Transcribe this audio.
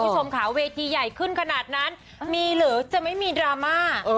แต่พี่สวมข่าววีดิโอเย็นต์ขึ้นขนาดนั้นมีหรือจะไม่มีดราม่า